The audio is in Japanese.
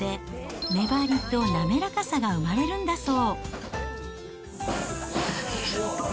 力強くつくことで、粘りと滑らかさが生まれるんだそう。